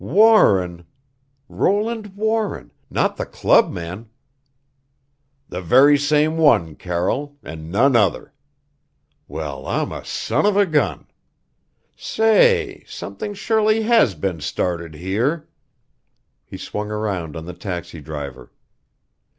"Warren! Roland Warren! Not the clubman?" "The very same one, Carroll, an' none other. Well, I'm a sonovagun! Sa a ay, something surely has been started here." He swung around on the taxi driver.